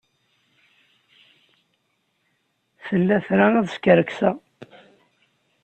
Tella tra ad skerkseɣ.